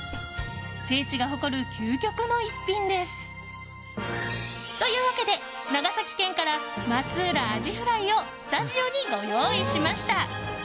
聖地が誇る究極の一品です！というわけで長崎県から松浦アジフライをスタジオにご用意しました。